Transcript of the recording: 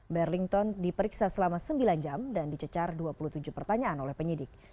berlington diperiksa selama sembilan jam dan dicecar dua puluh tujuh pertanyaan oleh penyidik